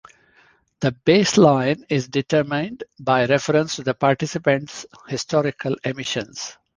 The baseline is determined by reference to the participant's historical emissions.